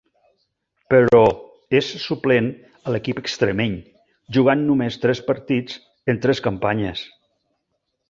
Però, és suplent a l'equip extremeny, jugant només tres partits en tres campanyes.